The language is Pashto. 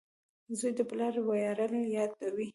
• زوی د پلار ویاړلی یاد وي.